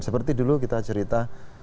seperti dulu kita cerita